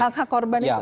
hak hak korban itu